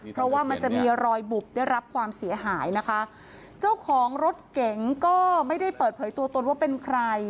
เพราะว่ามันจะมีรอยบุบได้รับความเสียหายนะคะเจ้าของรถเก๋งก็ไม่ได้เปิดเผยตัวตนว่าเป็นใคร